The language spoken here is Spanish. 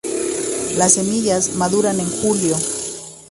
Las semillas maduran en julio.